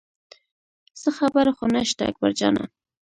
څه خبره خو نه شته اکبر جانه.